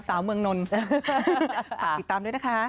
สาวเมืองนนท์ฝากติดตามด้วยนะคะ